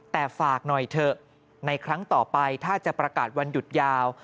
แต่ฝากหน่อยเถอะในครั้งต่อไปถ้าจะประกาศวันหยุดยาว